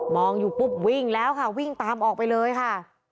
องอยู่ปุ๊บวิ่งแล้วค่ะวิ่งตามออกไปเลยค่ะ